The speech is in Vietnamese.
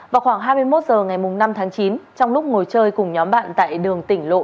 vào khoảng hai mươi một giờ ngày năm tháng chín trong lúc ngồi chơi cùng nhóm bạn tại đường tỉnh lộ sáu trăm bảy mươi bảy